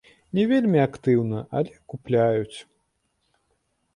Не вельмі актыўна, але купляюць.